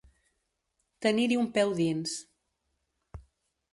Tenir-hi un peu dins.